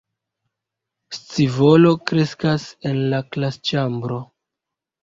Scivolo kreskas en la klasĉambro.